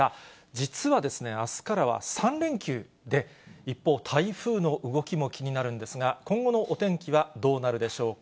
実はですね、あすからは３連休で、一方、台風の動きも気になるんですが、今後のお天気はどうなるでしょうか。